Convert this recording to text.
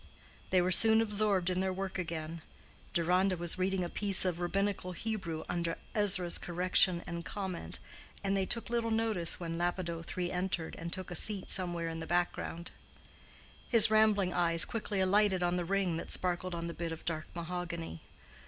They were soon absorbed in their work again. Deronda was reading a piece of rabbinical Hebrew under Ezra's correction and comment, and they took little notice when Lapidoth re entered and took a seat somewhat in the background. His rambling eyes quickly alighted on the ring that sparkled on the bit of dark mahogany.